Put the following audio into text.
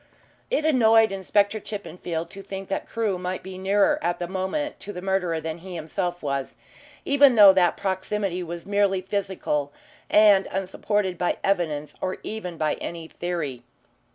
It annoyed Inspector Chippenfield to think that Crewe might be nearer at the moment to the murderer than he himself was, even though that proximity was merely physical and unsupported by evidence or even by any theory.